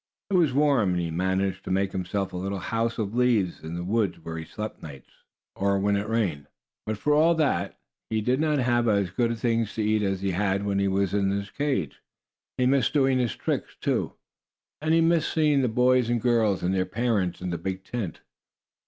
It was warm, and he managed to make himself a little house of leaves, in the woods where he slept nights, or when it rained. But, for all that, he did not have as good things to eat as he had had when he was in his cage. He missed doing his tricks, too, and he missed seeing the boys and girls and their parents, in the big tent.